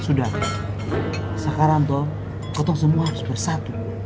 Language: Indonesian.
sudah sekarang toh kotak semua harus bersatu